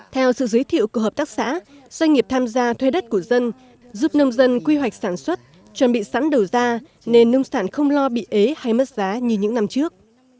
theo sự giới thiệu của hợp tác xã doanh nghiệp tham gia thuê đất của dân giúp nông dân quy hoạch sản xuất chuẩn bị sẵn đầu ra nên nông sản không lo bị ế hay mất giá như những năm trước